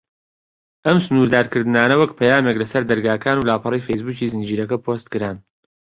ئەم سنوردارکردنانە وەک پەیامێک لە سەر دەرگاکان و لاپەڕەی فەیس بووکی زنجیرەکە پۆست کران.